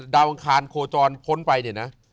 อังคารโคจรพ้นไปเนี่ยนะ